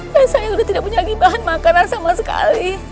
dan saya udah tidak punya bahan makanan sama sekali